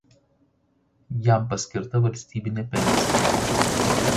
Jam paskirta valstybinė pensija.